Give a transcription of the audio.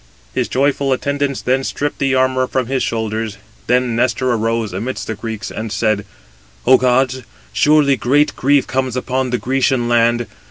His joyful attendants then stripped the armour from his shoulders. Then Nestor arose amidst the Greeks, and said: "O gods, surely great grief comes upon the Grecian land.